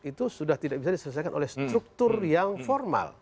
itu sudah tidak bisa diselesaikan oleh struktur yang formal